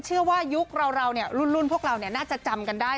เชื่อว่ายุคเรารุ่นพวกเราน่าจะจำกันได้